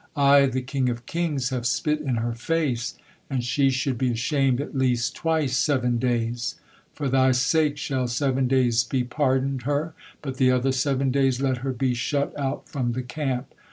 I, the King of kings, have spit in her face, and she should be ashamed at least twice seven days. For thy sake shall seven days be pardoned her, but the other seven days let her be shut out from the camp."